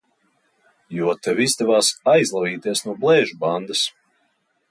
Jo tev izdevās aizlavīties no Blēžu bandas!